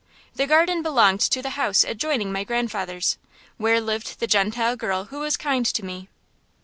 The garden belonged to the house adjoining my grandfather's, where lived the Gentile girl who was kind to me.